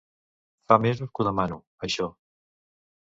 Fa mesos que ho demano, això!